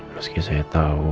meski saya tahu